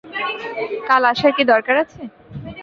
কাল আসার কি দরকার আছে?